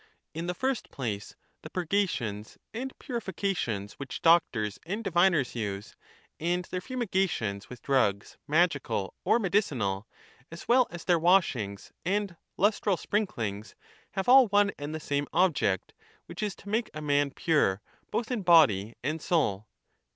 In the first place, the purgations and purifi cations which doctors and diviners use, and their fumigations with drugs magical or medicinal, as well as their washings and lustral sprinklings, have all one and the same object, which is to make a man pure both in body and soul.